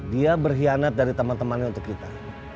dia berkhianat dari teman temannya untuk kita